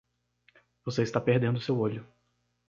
Você está perdendo seu olho.